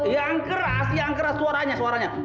yang keras yang keras suaranya suaranya